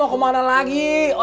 terus sudah jadi buddy